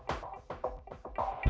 kenapa belon nih lepas tuh